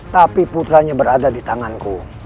tapi putranya berada di tanganku